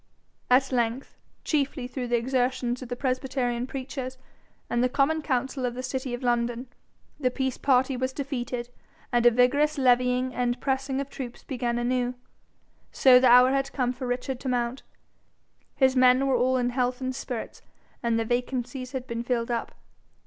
At length, chiefly through the exertions of the presbyterian preachers and the common council of the city of London, the peace party was defeated, and a vigorous levying and pressing of troops began anew. So the hour had come for Richard to mount. His men were all in health and spirits, and their vacancies had been filled up.